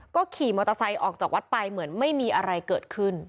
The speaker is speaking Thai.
ก็ขี่มอเตอร์ไซค์ออกจากวัดไปเหมือนไม่มีอะไรเกิดขึ้น